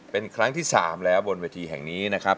เป็นครั้งที่๓แล้วบนเวทีแห่งนี้นะครับ